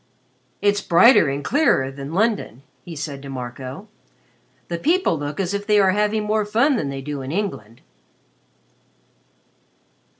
"It's brighter and clearer than London," he said to Marco. "The people look as if they were having more fun than they do in England."